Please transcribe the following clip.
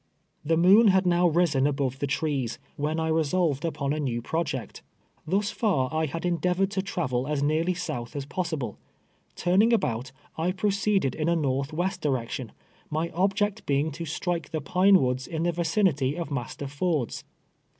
The moon had now risen ahove the trees, Avhen I resolved upon a new project. Thus far I had endeav ored to travel as nearly south as possible. Turning about I proceeded in a north west direction, my ob ject being to strike the l*ine AVoods in the vicinity of Master Ford's.